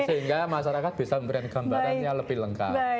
sehingga masyarakat bisa memberikan gambarannya lebih lengkap